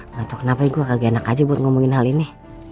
gak tau kenapa gua kagak enak aja buat ngomongin hal ini